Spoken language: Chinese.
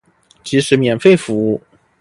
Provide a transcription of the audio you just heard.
即使免费服务